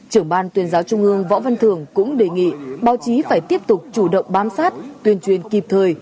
trưởng ban tuyên giáo trung ương võ văn thường cũng đề nghị báo chí phải tiếp tục chủ động bám sát tuyên truyền kịp thời